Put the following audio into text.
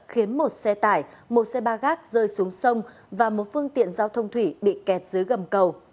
khiến một xe tải một xe ba gác rơi xuống sông và một phương tiện giao thông thủy bị kẹt dưới gầm cầu